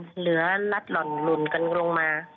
เหลือรัดหล่อนหลุ่นกันลงมา